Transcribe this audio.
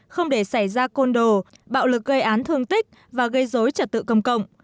không để xảy ra côn đồ bạo lực gây án thương tích và gây dối trật tự công cộng